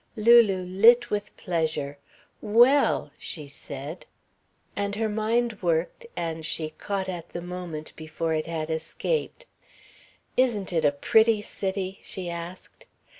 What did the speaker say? Lulu lit with pleasure. "Well!" she said. And her mind worked and she caught at the moment before it had escaped. "Isn't it a pretty city?" she asked.